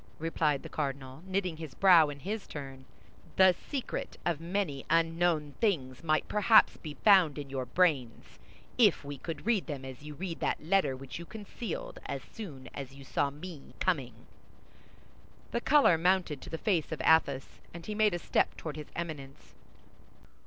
replied the cardinal, knitting his brow in his turn, "the secret of many unknown things might perhaps be found in your brains, if we could read them as you read that letter which you concealed as soon as you saw me coming." The color mounted to the face of Athos, and he made a step toward his Eminence.